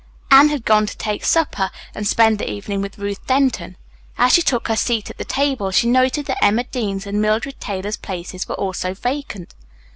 Anne had gone to take supper and spend the evening with Ruth Denton. As she took her seat at the table she noted that Emma Dean's and Mildred Taylor's places were also vacant.